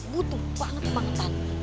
butuh banget bangetan